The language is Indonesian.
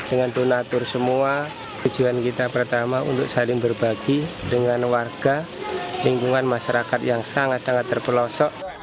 dengan donatur semua tujuan kita pertama untuk saling berbagi dengan warga lingkungan masyarakat yang sangat sangat terpelosok